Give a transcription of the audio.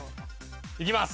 行きます。